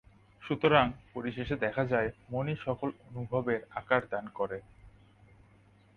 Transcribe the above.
সুতরাং পরিশেষে দেখা যায়, মনই সকল অনুভবের আকার দান করে।